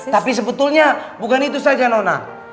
tapi sebetulnya bukan itu saja nona